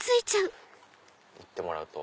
いってもらうと。